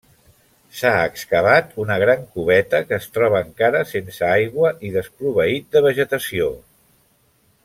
S'ha excavat una gran cubeta que es troba encara sense aigua i desproveït de vegetació.